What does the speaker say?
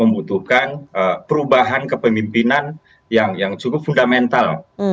membutuhkan perubahan kepemimpinan yang cukup fundamental